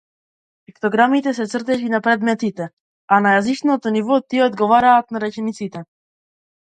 Пиктограмите се цртежи на предметите, а на јазично ниво тие одговараат на речениците.